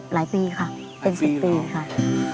หลายปีค่ะเป็น๑๐ปีค่ะ